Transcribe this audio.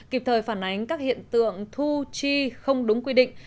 kịp thời phản ánh các hiện tượng thu chi không đúng quy định